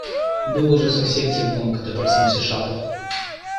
Было уже совсем темно, когда проснулся Шатов.